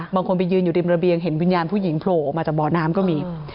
บางคนไปยืนอยู่ริมระเบียงเห็นวิญญาณผู้หญิงโผล่ออกมาจากบ่อน้ำก็มี